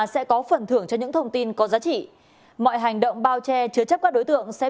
sẽ có phần thưởng cho những thông tin có giá trị mọi hành động bao che chứa chấp các đối tượng sẽ